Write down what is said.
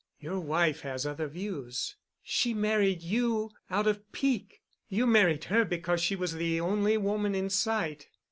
Your wife has other views. She married you out of pique. You married her because she was the only woman in sight.